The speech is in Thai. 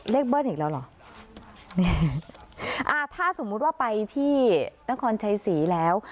เบิ้ลอีกแล้วเหรอเนี่ยอ่าถ้าสมมุติว่าไปที่นครชัยศรีแล้ว